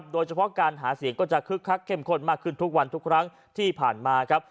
โดยเฉพาะการหาเสียงก็จะคึกคักเข้มข้นมากขึ้นทุกวันทุกครั้งที่ผ่านมาครับ